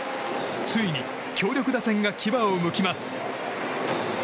ついに強力打線が牙をむきます。